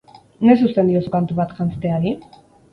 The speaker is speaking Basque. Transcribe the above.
Noiz uzten diozu kantu bat janzteari?